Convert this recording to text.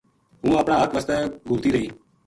ہوں اپنا حق واسطے گھُلتی رہی